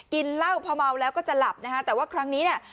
กินเหล้าพอเมาแล้วก็จะหลับนะฮะแต่ว่าครั้งนี้เนี่ย